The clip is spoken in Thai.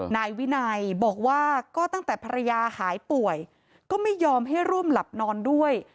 นายวินัยบอกว่าก็ตั้งแต่ภรรยาหายป่วยก็ไม่ยอมให้ร่วมหลับนอนด้วย